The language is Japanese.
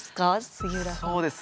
杉浦さん。